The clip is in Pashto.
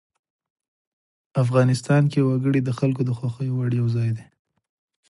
افغانستان کې وګړي د خلکو د خوښې وړ یو ځای دی.